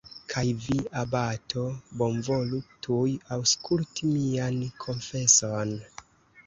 Kaj vi, abato, bonvolu tuj aŭskulti mian konfeson!